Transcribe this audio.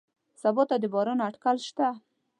سبا ته د باران اټکل شته